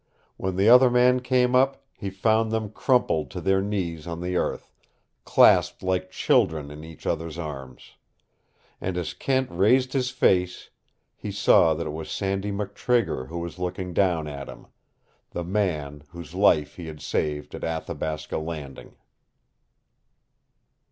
When the other man came up, he found them crumpled to their knees on the earth, clasped like children in each other's arms. And as Kent raised his face, he saw that it was Sandy McTrigger who was looking down at him, the man whose life he had saved at Athabasca Landing.